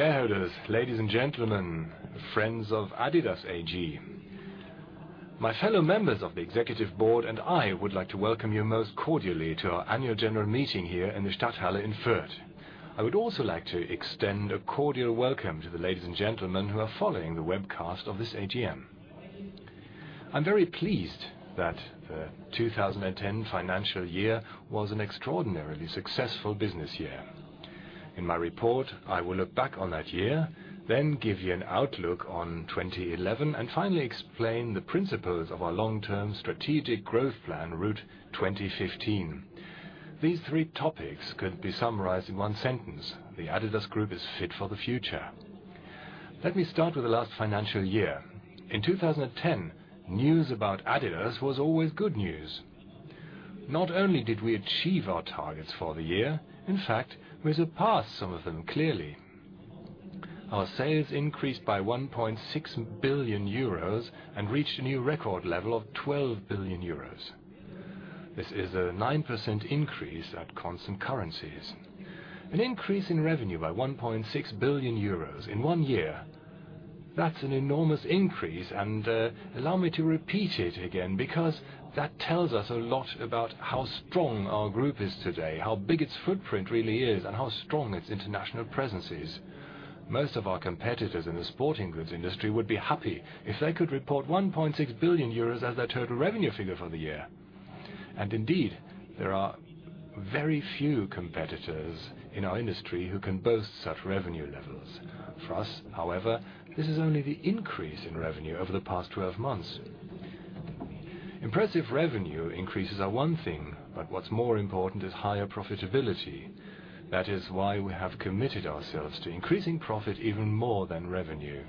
Chairs, ladies and gentlemen, friends of adidas AG, my fellow members of the Executive Board and I would like to welcome you most cordially to our Annual General Meeting here in the Stadthalle in Fürth. I would also like to extend a cordial welcome to the ladies and gentlemen who are following the webcast of this AGM. I'm very pleased that the 2010 financial year was an extraordinarily successful business year. In my report, I will look back on that year, then give you an outlook on 2011, and finally explain the principles of our long-term strategic growth plan, Route 2015. These three topics could be summarized in one sentence: the adidas Group is fit for the future. Let me start with the last financial year. In 2010, news about adidas was always good news. Not only did we achieve our targets for the year, in fact, we surpassed some of them clearly. Our sales increased by €1.6 billion and reached a new record level of €12 billion. This is a 9% increase at constant currencies. An increase in revenue by €1.6 billion in one year. That's an enormous increase, and allow me to repeat it again because that tells us a lot about how strong our group is today, how big its footprint really is, and how strong its international presence is. Most of our competitors in the sporting goods industry would be happy if they could report €1.6 billion as their total revenue figure for the year. Indeed, there are very few competitors in our industry who can boast such revenue levels. For us, however, this is only the increase in revenue over the past 12 months. Impressive revenue increases are one thing, but what's more important is higher profitability. That is why we have committed ourselves to increasing profit even more than revenue.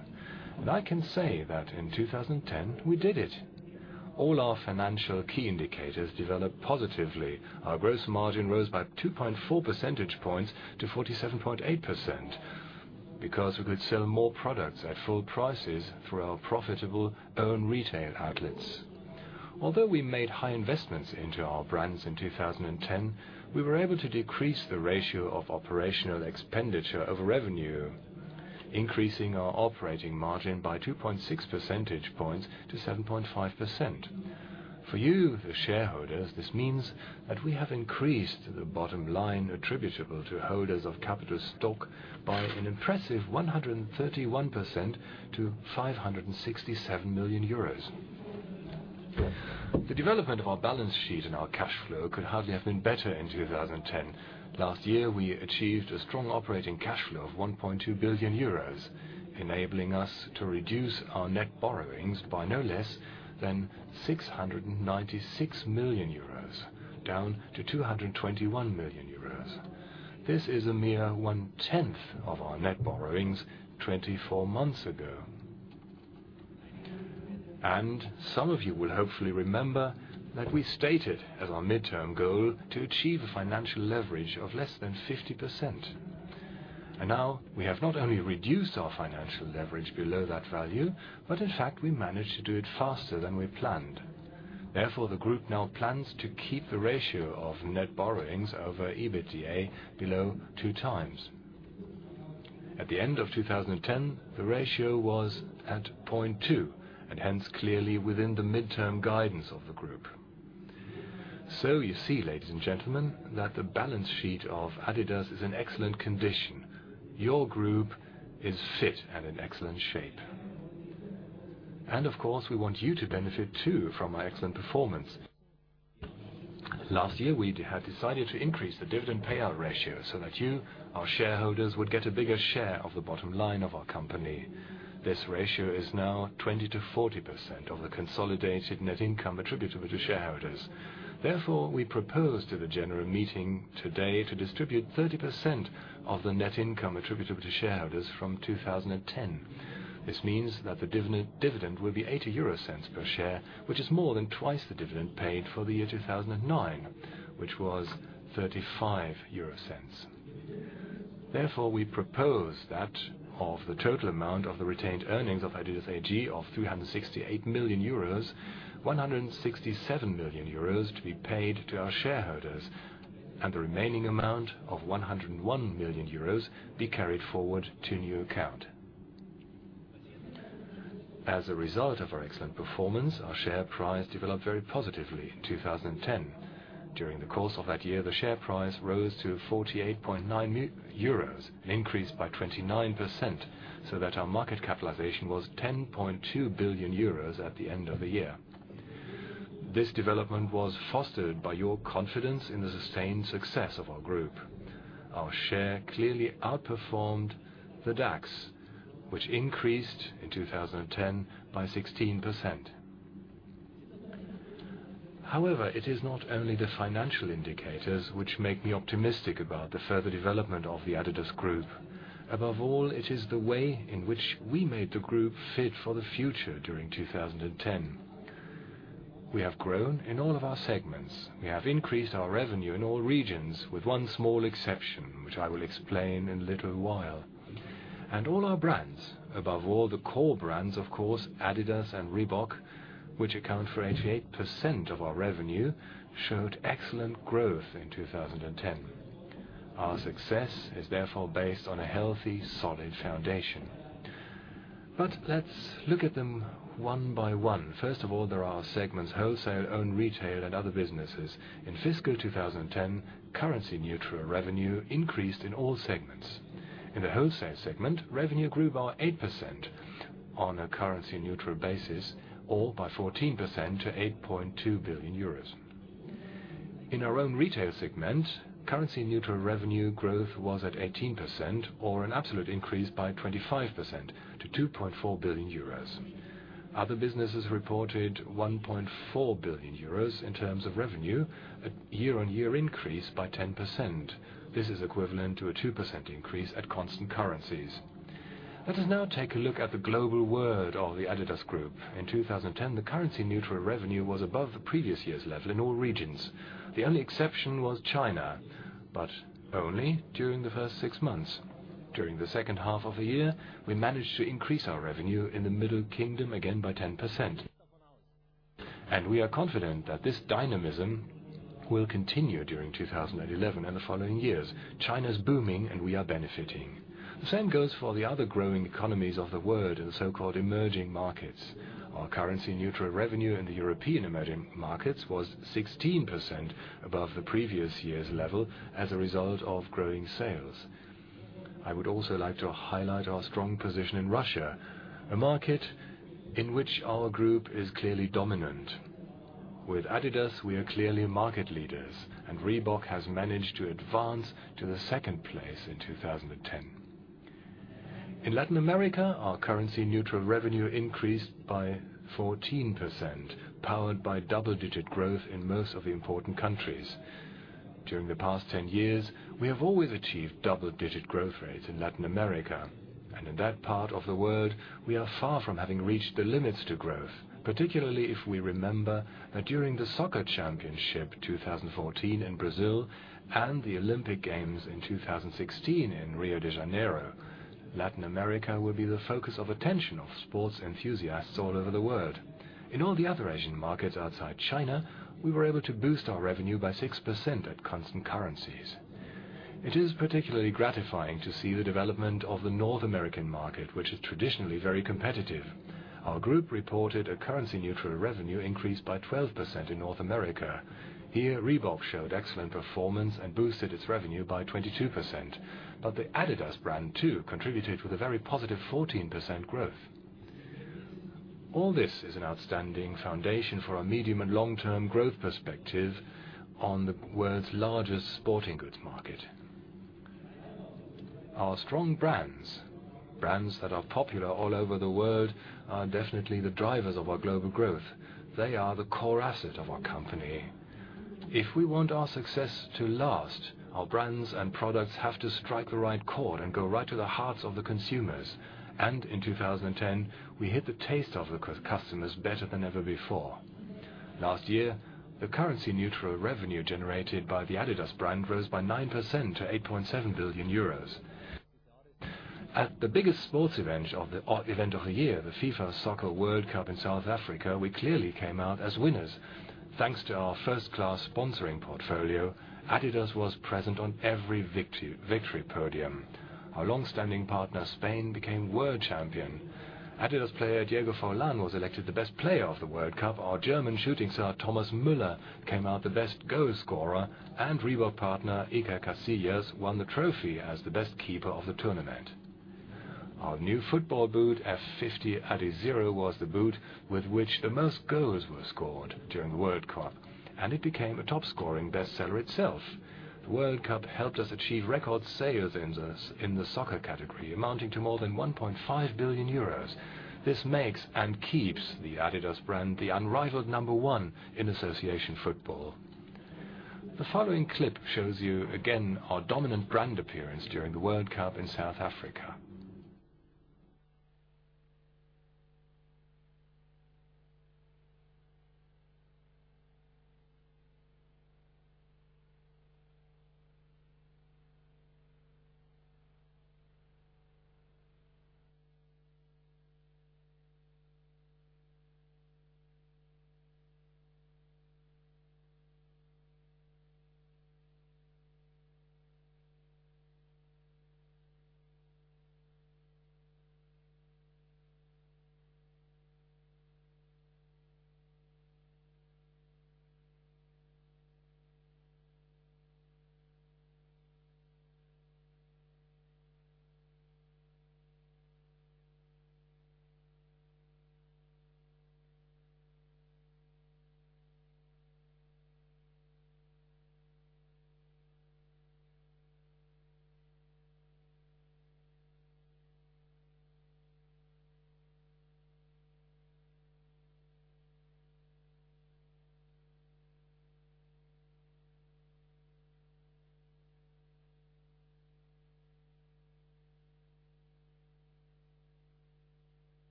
I can say that in 2010, we did it. All our financial key indicators developed positively. Our gross margin rose by 2.4% to 47.8% because we could sell more products at full prices through our profitable own retail outlets. Although we made high investments into our brands in 2010, we were able to decrease the ratio of operational expenditure over revenue, increasing our operating margin by 2.6%-7.5%. For you, the shareholders, this means that we have increased the bottom line attributable to holders of capital stock by an impressive 131% to €567 million. The development of our balance sheet and our cash flow could hardly have been better in 2010. Last year, we achieved a strong operating cash flow of €1.2 billion, enabling us to reduce our net borrowings by no less than €696 million, down to €221 million. This is a mere one-tenth of our net borrowings 24 months ago. Some of you will hopefully remember that we stated as our midterm goal to achieve a financial leverage of less than 50%. We have not only reduced our financial leverage below that value, but in fact, we managed to do it faster than we planned. Therefore, the group now plans to keep the ratio of net borrowings over EBITDA below 2x. At the end of 2010, the ratio was at 0.2, and hence clearly within the midterm guidance of the group. You see, ladies and gentlemen, that the balance sheet of adidas is in excellent condition. Your group is fit and in excellent shape. Of course, we want you to benefit too from our excellent performance. Last year, we had decided to increase the dividend payout ratio so that you, our shareholders, would get a bigger share of the bottom line of our company. This ratio is now 20%-40% of the consolidated net income attributable to shareholders. Therefore, we propose to the general meeting today to distribute 30% of the net income attributable to shareholders from 2010. This means that the dividend will be €0.80 per share, which is more than twice the dividend paid for the year 2009, which was €0.35. Therefore, we propose that of the total amount of the retained earnings of adidas AG of €368 million, €167 million to be paid to our shareholders, and the remaining amount of €101 million be carried forward to a new account. As a result of our excellent performance, our share price developed very positively in 2010. During the course of that year, the share price rose to €48.90, an increase by 29%, so that our market capitalization was €10.2 billion at the end of the year. This development was fostered by your confidence in the sustained success of our group. Our share clearly outperformed the DAX, which increased in 2010 by 16%. However, it is not only the financial indicators which make me optimistic about the further development of the adidas Group. Above all, it is the way in which we made the group fit for the future during 2010. We have grown in all of our segments. We have increased our revenue in all regions with one small exception, which I will explain in a little while. All our brands, above all the core brands, of course, adidas and Reebok, which account for 88% of our revenue, showed excellent growth in 2010. Our success is therefore based on a healthy, solid foundation. Let's look at them one by one. First of all, there are segments: wholesale, own retail, and other businesses. In fiscal 2010, currency-neutral revenue increased in all segments. In the wholesale segment, revenue grew by 8% on a currency-neutral basis, or by 14% to €8.2 billion. In our own retail segments, currency-neutral revenue growth was at 18%, or an absolute increase by 25% to €2.4 billion. Other businesses reported €1.4 billion in terms of revenue, a year-on-year increase by 10%. This is equivalent to a 2% increase at constant currencies. Let us now take a look at the global world of the adidas Group. In 2010, the currency-neutral revenue was above the previous year's level in all regions. The only exception was China, but only during the first six months. During the second half of the year, we managed to increase our revenue in the Middle Kingdom again by 10%. We are confident that this dynamism will continue during 2011 and the following years. China is booming, and we are benefiting. The same goes for the other growing economies of the world in the so-called emerging markets. Our currency-neutral revenue in the European emerging markets was 16% above the previous year's level as a result of growing sales. I would also like to highlight our strong position in Russia, a market in which our group is clearly dominant. With adidas, we are clearly market leaders, and Reebok has managed to advance to the second place in 2010. In Latin America, our currency-neutral revenue increased by 14%, powered by double-digit growth in most of the important countries. During the past 10 years, we have always achieved double-digit growth rates in Latin America. In that part of the world, we are far from having reached the limits to growth, particularly if we remember that during the Soccer Championship 2014 in Brazil and the Olympic Games in 2016 in Rio de Janeiro, Latin America will be the focus of attention of sports enthusiasts all over the world. In all the other Asian markets outside China, we were able to boost our revenue by 6% at constant currencies. It is particularly gratifying to see the development of the North American market, which is traditionally very competitive. Our group reported a currency-neutral revenue increase by 12% in North America. Here, Reebok showed excellent performance and boosted its revenue by 22%. The adidas brand too contributed with a very positive 14% growth. All this is an outstanding foundation for a medium and long-term growth perspective on the world's largest sporting goods market. Our strong brands, brands that are popular all over the world, are definitely the drivers of our global growth. They are the core asset of our company. If we want our success to last, our brands and products have to strike the right chord and go right to the hearts of the consumers. In 2010, we hit the taste of the customers better than ever before. Last year, the currency-neutral revenue generated by the adidas brand rose by 9% to €8.7 billion. At the biggest sports event of the year, the FIFA Soccer World Cup in South Africa, we clearly came out as winners. Thanks to our first-class sponsoring portfolio, adidas was present on every victory podium. Our long-standing partner, Spain, became world champion. adidas player Diego Forlán was elected the best player of the World Cup. Our German shooting star Thomas Müller came out the best goal scorer, and Reebok partner Iker Casillas won the trophy as the best keeper of the tournament. Our new football boot F50 Adizero was the boot with which the most goals were scored during the World Cup, and it became a top-scoring bestseller itself. The World Cup helped us achieve record sales in the soccer category, amounting to more than €1.5 billion. This makes and keeps the adidas brand the unrivaled number one in association football. The following clip shows you again our dominant brand appearance during the World Cup in South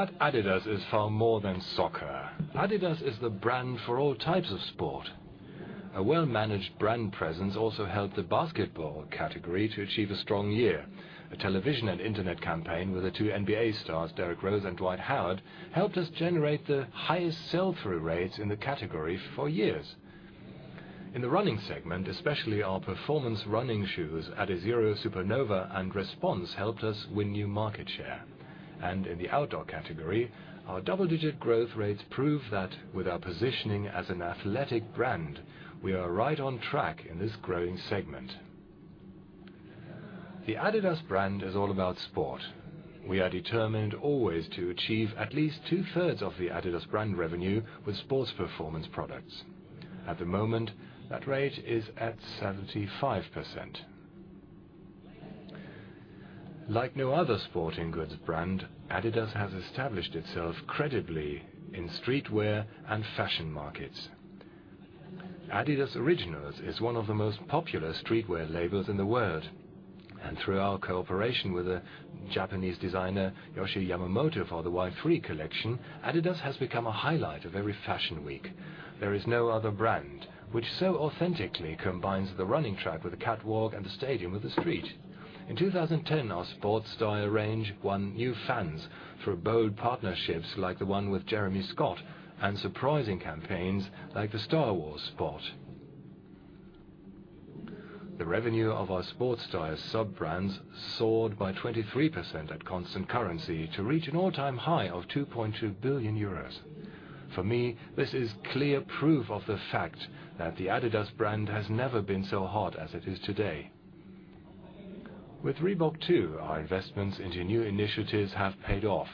Africa. adidas is far more than soccer. adidas is the brand for all types of sport. A well-managed brand presence also helped the basketball category to achieve a strong year. A television and internet campaign with the two NBA stars, Derrick Rose and Dwight Howard, helped us generate the highest sell-through rates in the category for years. In the running segment, especially our performance running shoes, Adizero Supernova and Response, helped us win new market share. In the outdoor category, our double-digit growth rates prove that with our positioning as an athletic brand, we are right on track in this growing segment. The adidas brand is all about sport. We are determined always to achieve at least two-thirds of the adidas brand revenue with sports performance products. At the moment, that rate is at 75%. Like no other sporting goods brand, adidas has established itself credibly in streetwear and fashion markets. adidas Originals is one of the most popular streetwear labels in the world. Through our cooperation with the Japanese designer Yohji Yamamoto for the Y-3 collection, adidas has become a highlight of every fashion week. There is no other brand which so authentically combines the running track with a catwalk and the stadium with a street. In 2010, our sports style range won new fans through bold partnerships like the one with Jeremy Scott and surprising campaigns like the Star Wars sport. The revenue of our sports style sub-brands soared by 23% at constant currency to reach an all-time high of €2.2 billion. For me, this is clear proof of the fact that the adidas brand has never been so hot as it is today. With Reebok too, our investments into new initiatives have paid off.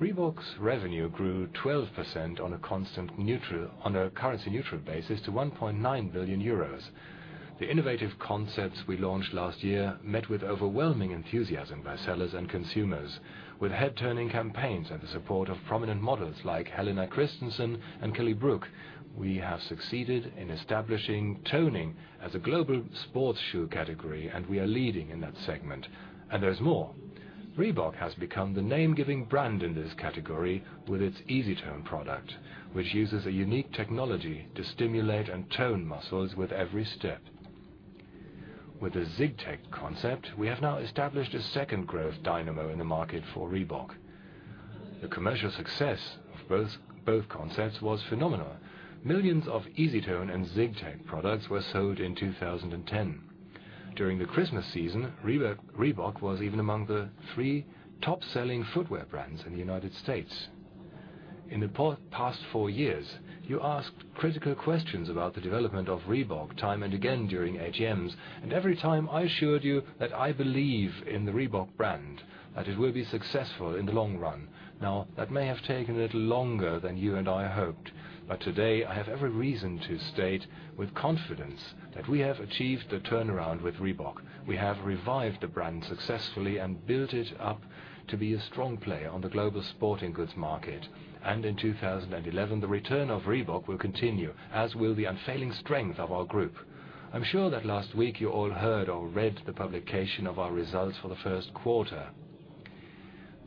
Reebok's revenue grew 12% on a currency-neutral basis to €1.9 billion. The innovative concepts we launched last year met with overwhelming enthusiasm by sellers and consumers. With head-turning campaigns and the support of prominent models like Helena Christensen and Kelly Brook, we have succeeded in establishing toning as a global sports shoe category, and we are leading in that segment. There is more. Reebok has become the name-giving brand in this category with its EasyTone product, which uses a unique technology to stimulate and tone muscles with every step. With the ZigTech concept, we have now established a second growth dynamo in the market for Reebok. The commercial success of both concepts was phenomenal. Millions of EasyTone and ZigTech products were sold in 2010. During the Christmas season, Reebok was even among the three top-selling footwear brands in the United States. In the past four years, you asked critical questions about the development of Reebok time and again during AGMs, and every time I assured you that I believe in the Reebok brand, that it will be successful in the long run. That may have taken a little longer than you and I hoped, but today I have every reason to state with confidence that we have achieved the turnaround with Reebok. We have revived the brand successfully and built it up to be a strong player on the global sporting goods market. In 2011, the return of Reebok will continue, as will the unfailing strength of our group. I'm sure that last week you all heard or read the publication of our results for the first quarter.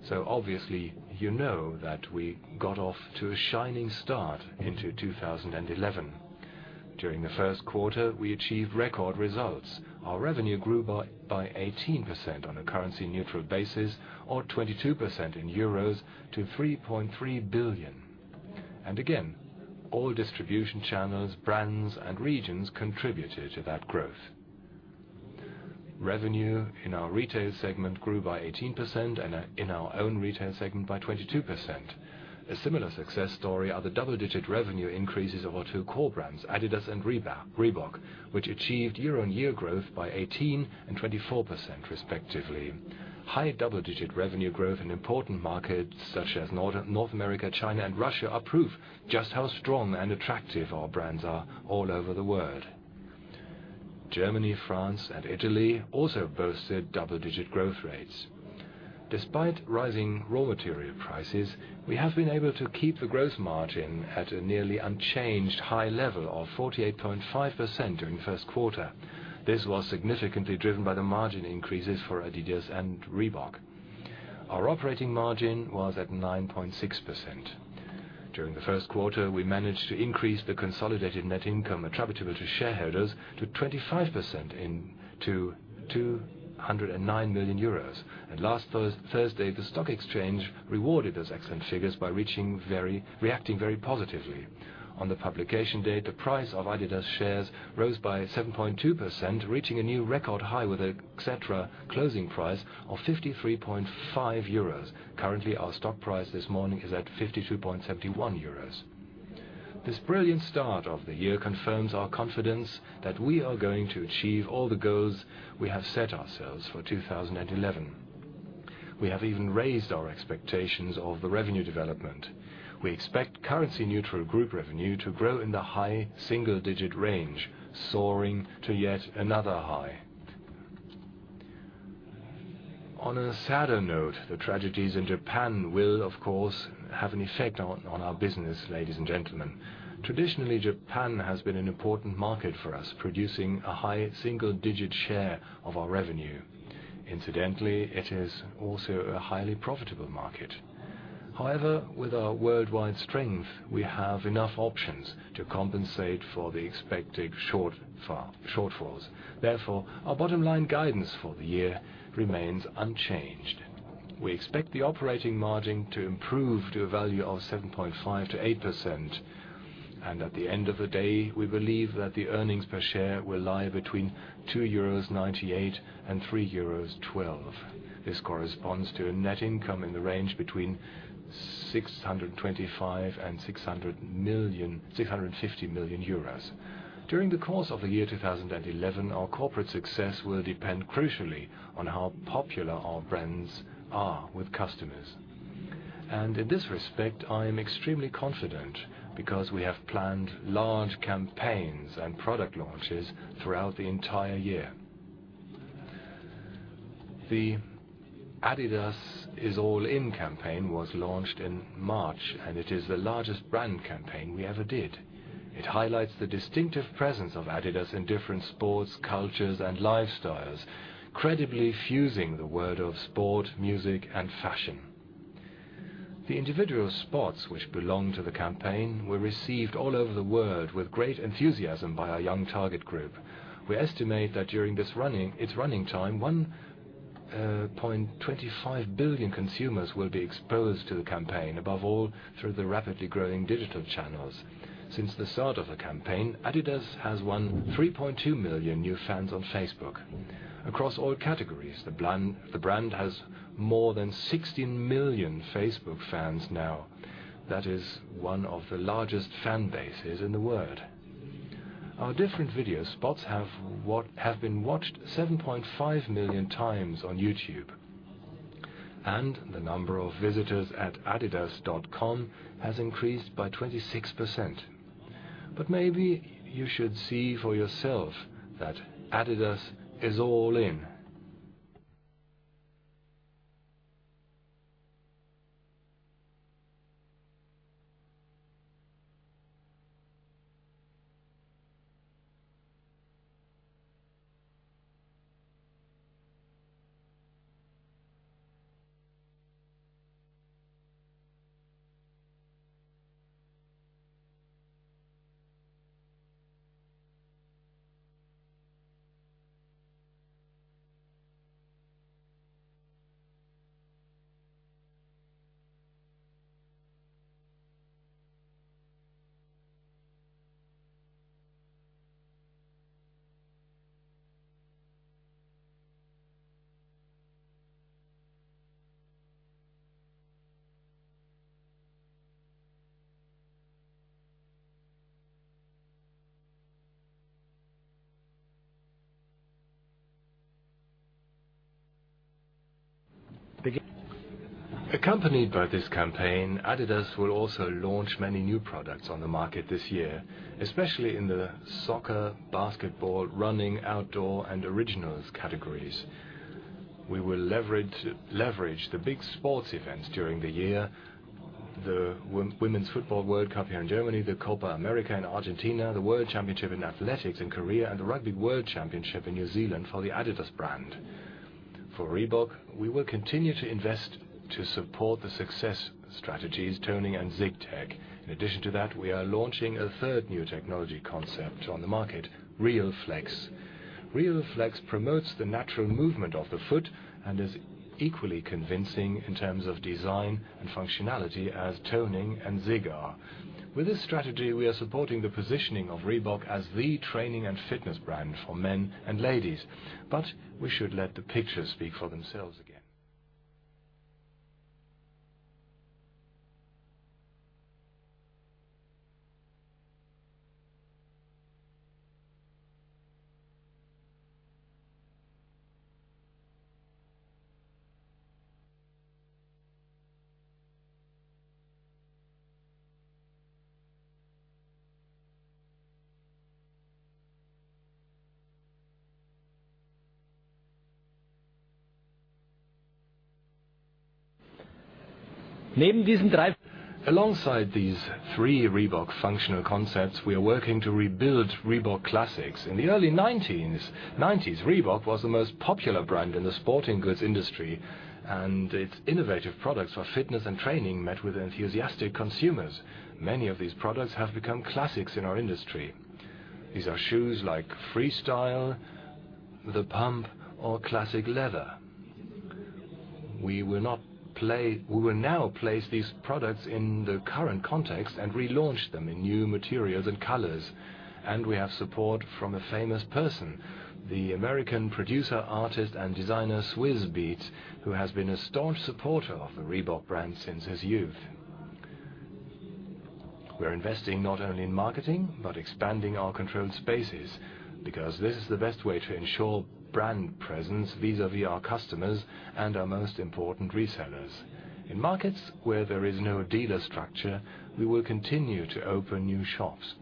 Obviously, you know that we got off to a shining start into 2011. During the first quarter, we achieved record results. Our revenue grew by 18% on a currency-neutral basis, or 22% in euros, to €3.3 billion. Again, all distribution channels, brands, and regions contributed to that growth. Revenue in our retail segment grew by 18% and in our own retail segment by 22%. A similar success story are the double-digit revenue increases of our two core brands, adidas and Reebok, which achieved year-on-year growth by 18% and 24% respectively. High double-digit revenue growth in important markets such as North America, China, and Russia are proof just how strong and attractive our brands are all over the world. Germany, France, and Italy also boasted double-digit growth rates. Despite rising raw material prices, we have been able to keep the gross margin at a nearly unchanged high level of 48.5% during the first quarter. This was significantly driven by the margin increases for adidas and Reebok. Our operating margin was at 9.6%. During the first quarter, we managed to increase the consolidated net income attributable to shareholders by 25% to €209 million. Last Thursday, the stock exchange rewarded those excellent figures by reacting very positively. On the publication date, the price of adidas shares rose by 7.2%, reaching a new record high with a closing price of €53.5 million. Currently, our stock price this morning is at €52.71 million. This brilliant start of the year confirms our confidence that we are going to achieve all the goals we have set ourselves for 2011. We have even raised our expectations of the revenue development. We expect currency-neutral group revenue to grow in the high single-digit range, soaring to yet another high. On a sadder note, the tragedies in Japan will, of course, have an effect on our business, ladies and gentlemen. Traditionally, Japan has been an important market for us, producing a high single-digit share of our revenue. Incidentally, it is also a highly profitable market. However, with our worldwide strength, we have enough options to compensate for the expected shortfalls. Therefore, our bottom line guidance for the year remains unchanged. We expect the operating margin to improve to a value of 7.5%-8%. At the end of the day, we believe that the earnings per share will lie between €2.98 and €3.12. This corresponds to a net income in the range between €625 million and €650 million. During the course of the year 2011, our corporate success will depend crucially on how popular our brands are with customers. In this respect, I am extremely confident because we have planned large campaigns and product launches throughout the entire year. The adidas is all in campaign was launched in March, and it is the largest brand campaign we ever did. It highlights the distinctive presence of adidas in different sports, cultures, and lifestyles, credibly fusing the world of sport, music, and fashion. The individual spots which belong to the campaign were received all over the world with great enthusiasm by our young target group. We estimate that during its running time, 1.25 billion consumers will be exposed to the campaign, above all through the rapidly growing digital channels. Since the start of the campaign, adidas has won 3.2 million new fans on Facebook. Across all categories, the brand has more than 60 million Facebook fans now. That is one of the largest fan bases in the world. Our different video spots have been watched 7.5 million times on YouTube. The number of visitors at adidas.com has increased by 26%. Maybe you should see for yourself that adidas is all in. Accompanied by this campaign, adidas will also launch many new products on the market this year, especially in the soccer, basketball, running, outdoor, and Originals categories. We will leverage the big sports events during the year, the Women's Football World Cup here in Germany, the Copa America in Argentina, the World Championship in Athletics in Korea, and the Rugby World Championship in New Zealand for the adidas brand. For Reebok, we will continue to invest to support the success strategies, toning, and ZigTech. In addition to that, we are launching a third new technology concept on the market, RealFlex. RealFlex promotes the natural movement of the foot and is equally convincing in terms of design and functionality as toning and ZigTech are. With this strategy, we are supporting the positioning of Reebok as the training and fitness brand for men and ladies. We should let the pictures speak for themselves again. Alongside these three Reebok functional concepts, we are working to rebuild Reebok Classics. In the early '90s, Reebok was the most popular brand in the sporting goods industry, and its innovative products for fitness and training met with enthusiastic consumers. Many of these products have become classics in our industry. These are shoes like Freestyle, The Pump, or Classic Leather. We will now place these products in the current context and relaunch them in new materials and colors. We have support from a famous person, the American producer, artist, and designer Swizz Beatz, who has been a staunch supporter of the Reebok brand since his youth. We're investing not only in marketing but expanding our controlled spaces because this is the best way to ensure brand presence vis-à-vis our customers and our most important resellers. In markets where there is no dealer structure, we will continue to open new shops.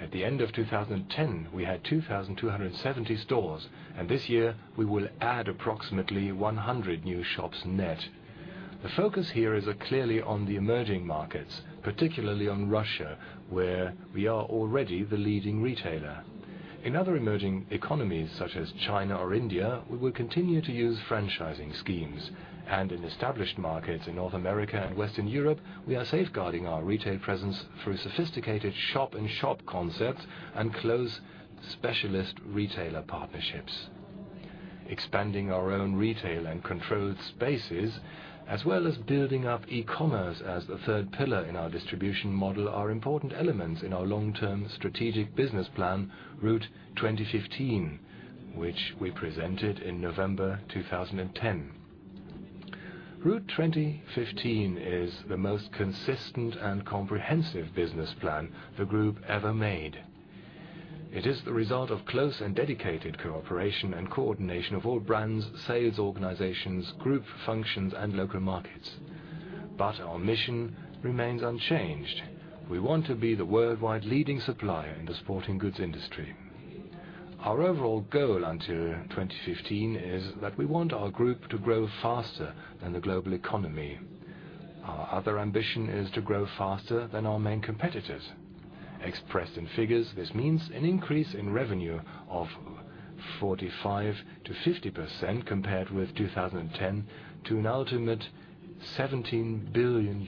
At the end of 2010, we had 2,270 stores, and this year, we will add approximately 100 new shops net. The focus here is clearly on the emerging markets, particularly on Russia, where we are already the leading retailer. In other emerging economies such as China or India, we will continue to use franchising schemes. In established markets in North America and Western Europe, we are safeguarding our retail presence through sophisticated shop and shop concepts and close specialist retailer partnerships. Expanding our own retail and controlled spaces, as well as building up e-commerce as the third pillar in our distribution model, are important elements in our long-term strategic business plan, Route 2015, which we presented in November 2010. Route 2015 is the most consistent and comprehensive business plan the group ever made. It is the result of close and dedicated cooperation and coordination of all brands, sales organizations, group functions, and local markets. Our mission remains unchanged. We want to be the worldwide leading supplier in the sporting goods industry. Our overall goal until 2015 is that we want our group to grow faster than the global economy. Our other ambition is to grow faster than our main competitors. Expressed in figures, this means an increase in revenue of 45%-50% compared with 2010 to an ultimate €17 billion.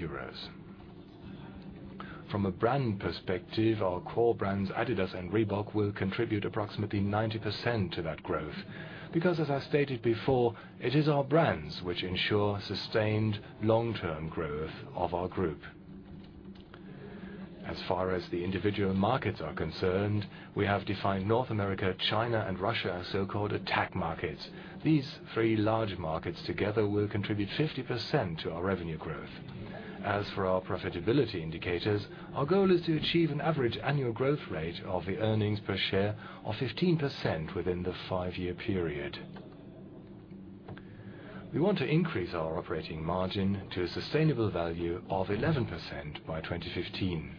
From a brand perspective, our core brands, adidas and Reebok, will contribute approximately 90% to that growth. As I stated before, it is our brands which ensure sustained long-term growth of our group. As far as the individual markets are concerned, we have defined North America, China, and Russia as so-called attack markets. These three large markets together will contribute 50% to our revenue growth. As for our profitability indicators, our goal is to achieve an average annual growth rate of the earnings per share of 15% within the five-year period. We want to increase our operating margin to a sustainable value of 11% by 2015.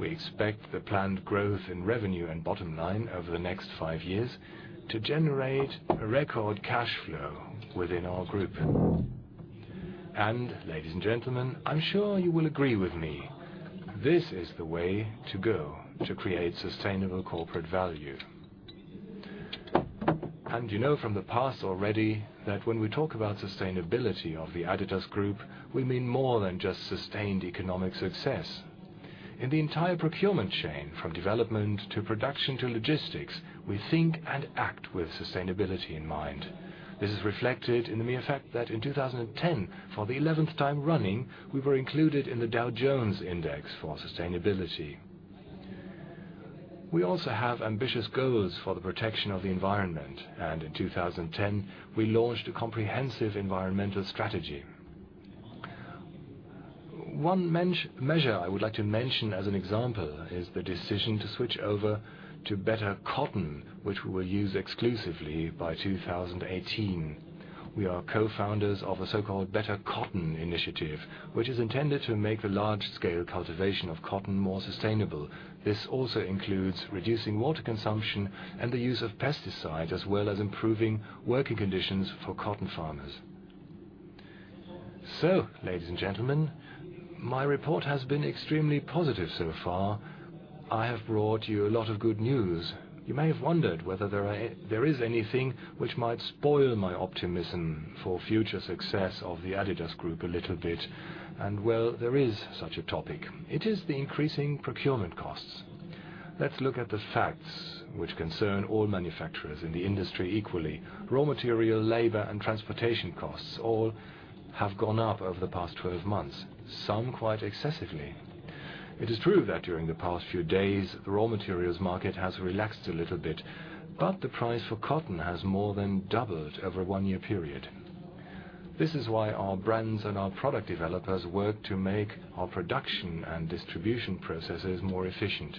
We expect the planned growth in revenue and bottom line over the next five years to generate a record cash flow within our group. Ladies and gentlemen, I'm sure you will agree with me. This is the way to go to create sustainable corporate value. You know from the past already that when we talk about sustainability of the adidas Group, we mean more than just sustained economic success. In the entire procurement chain, from development to production to logistics, we think and act with sustainability in mind. This is reflected in the mere fact that in 2010, for the 11th time running, we were included in the Dow Jones Sustainability Index. We also have ambitious goals for the protection of the environment. In 2010, we launched a comprehensive environmental strategy. One measure I would like to mention as an example is the decision to switch over to better cotton, which we will use exclusively by 2018. We are co-founders of a so-called Better Cotton Initiative, which is intended to make the large-scale cultivation of cotton more sustainable. This also includes reducing water consumption and the use of pesticides, as well as improving working conditions for cotton farmers. Ladies and gentlemen, my report has been extremely positive so far. I have brought you a lot of good news. You may have wondered whether there is anything which might spoil my optimism for future success of the adidas Group a little bit. There is such a topic. It is the increasing procurement costs. Let's look at the facts which concern all manufacturers in the industry equally. Raw material, labor, and transportation costs all have gone up over the past 12 months, some quite excessively. It is true that during the past few days, the raw materials market has relaxed a little bit, but the price for cotton has more than doubled over a one-year period. This is why our brands and our product developers work to make our production and distribution processes more efficient.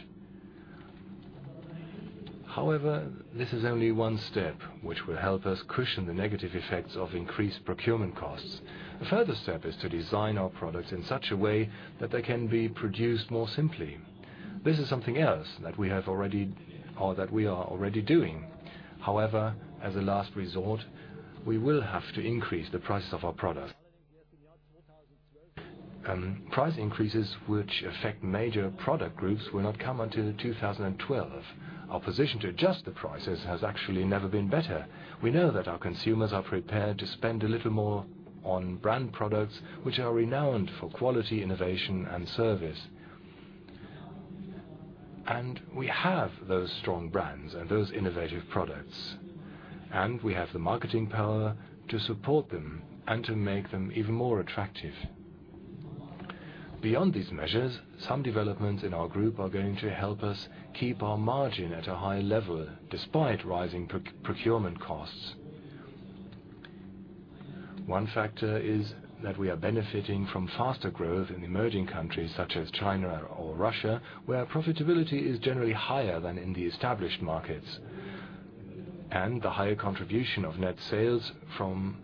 However, this is only one step which will help us cushion the negative effects of increased procurement costs. A further step is to design our products in such a way that they can be produced more simply. This is something else that we have already or that we are already doing. However, as a last resort, we will have to increase the price of our products. Price increases which affect major product groups will not come until 2012. Our position to adjust the prices has actually never been better. We know that our consumers are prepared to spend a little more on brand products which are renowned for quality, innovation, and service. We have those strong brands and those innovative products. We have the marketing power to support them and to make them even more attractive. Beyond these measures, some developments in our group are going to help us keep our margin at a high level despite rising procurement costs. One factor is that we are benefiting from faster growth in emerging countries such as China or Russia, where profitability is generally higher than in the established markets. The higher contribution of net sales from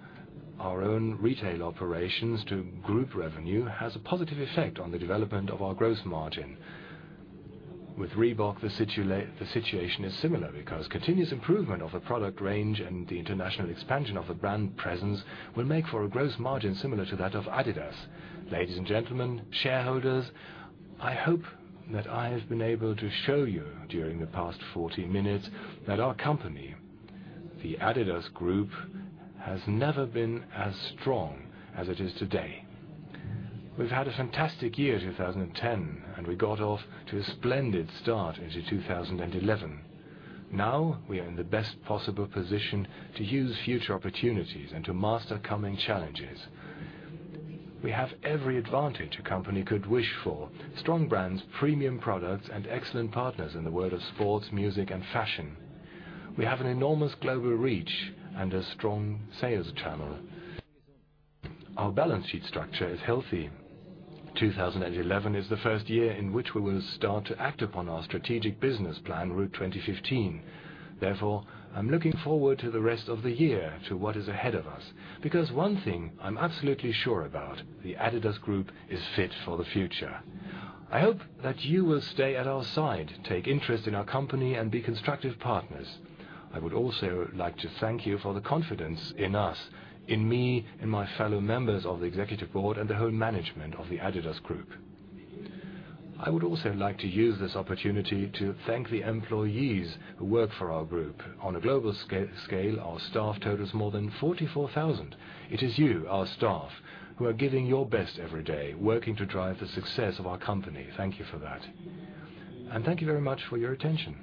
our own retail operations to group revenue has a positive effect on the development of our gross margin. With Reebok, the situation is similar because continuous improvement of the product range and the international expansion of the brand presence will make for a gross margin similar to that of adidas. Ladies and gentlemen, shareholders, I hope that I have been able to show you during the past 40 minutes that our company, the adidas Group, has never been as strong as it is today. We've had a fantastic year in 2010, and we got off to a splendid start into 2011. Now, we are in the best possible position to use future opportunities and to master coming challenges. We have every advantage a company could wish for: strong brands, premium products, and excellent partners in the world of sports, music, and fashion. We have an enormous global reach and a strong sales channel. Our balance sheet structure is healthy. 2011 is the first year in which we will start to act upon our strategic business plan, Route 2015. Therefore, I'm looking forward to the rest of the year to what is ahead of us because one thing I'm absolutely sure about: the adidas Group is fit for the future. I hope that you will stay at our side, take interest in our company, and be constructive partners. I would also like to thank you for the confidence in us, in me and my fellow members of the Executive Board and the whole management of adidas Group. I would also like to use this opportunity to thank the employees who work for our group. On a global scale, our staff totals more than 44,000. It is you, our staff, who are giving your best every day, working to drive the success of our company. Thank you for that. Thank you very much for your attention.